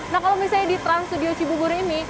nah kalau misalnya di trans studio cibubur ini